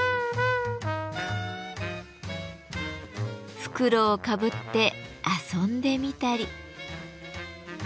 袋をかぶって遊んでみたり。